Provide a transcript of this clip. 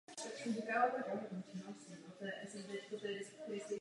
Dokončení úplného jednotného trhu je nezbytným předpokladem hospodářského úspěchu Evropy.